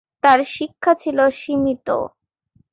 তার শিক্ষা ছিল সীমিত।